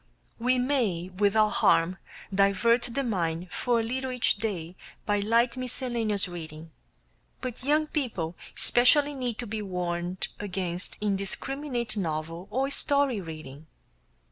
We may without harm divert the mind for a little each day by light miscellaneous reading, but young people especially need to be warned against indiscriminate novel or story reading.